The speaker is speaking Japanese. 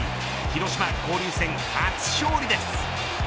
広島、交流戦初勝利です。